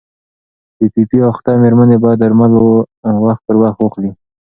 پي پي پي اخته مېرمنې باید درمل وخت پر وخت واخلي.